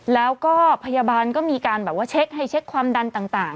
แล้วก็พยาบาลก็มีการแบบว่าเช็คให้เช็คความดันต่าง